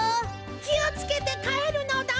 きをつけてかえるのだ！